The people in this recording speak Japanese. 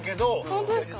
ホントですか？